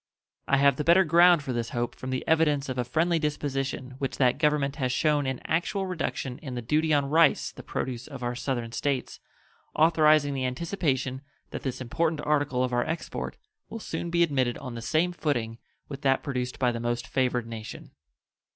I have the better ground for this hope from the evidence of a friendly disposition which that Government has shown an actual reduction in the duty on rice the produce of our Southern States, authorizing the anticipation that this important article of our export will soon be admitted on the same footing with that produced by the most favored nation.